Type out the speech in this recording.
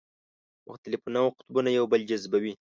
مختلف النوع قطبونه یو بل جذبوي.